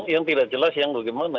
yang tidak jelas yang bagaimana